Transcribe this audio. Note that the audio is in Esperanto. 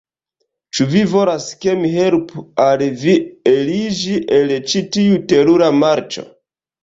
Ĉu vi volas, ke mi helpu al vi eliĝi el ĉi tiu terura marĉo?